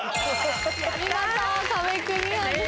見事壁クリアです。